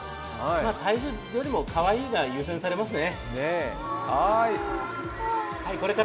体重よりも、かわいいが優先されますね。